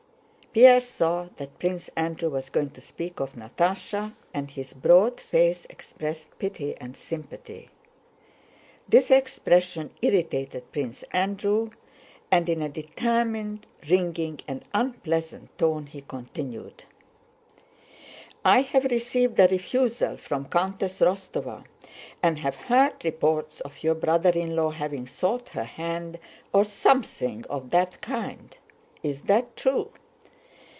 Pierre saw that Prince Andrew was going to speak of Natásha, and his broad face expressed pity and sympathy. This expression irritated Prince Andrew, and in a determined, ringing, and unpleasant tone he continued: "I have received a refusal from Countess Rostóva and have heard reports of your brother in law having sought her hand, or something of that kind. Is that true?"